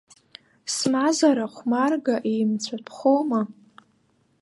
Смазара хәмарга-еимҵәатәхома?